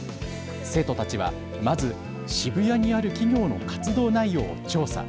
生徒たちはまず渋谷にある企業の活動内容を調査。